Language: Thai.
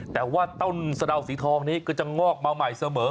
แต่ว่าต้นสะดาวสีทองนี้ก็จะงอกมาใหม่เสมอ